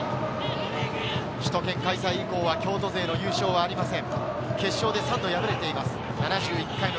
首都圏開催以降は京都勢の優勝はありません。